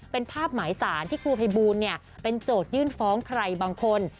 เป็นภาพหมายสารที่ครูภัยบูลเป็นโจทยื่นฟ้องใครบางคน